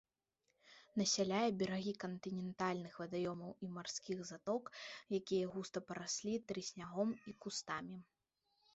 Насяляе берагі кантынентальных вадаёмаў і марскіх заток, якія густа параслі трыснягом і кустамі.